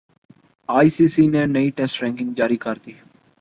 ئی C C نے نئی ٹیسٹ رینکنگ جاری کردی